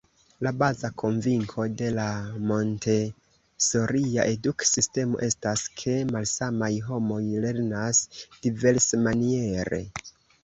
La baza konvinko de la Montesoria eduk-sistemo estas, ke malsamaj homoj lernas diversmaniere.